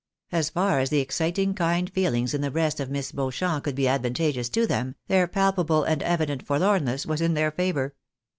As far as the exciting kind feeUngs in the breast of Miss Beanchamp could be advantageous to them, their palpable and evideii " forlornness was in their favour.